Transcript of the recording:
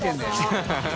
ハハハ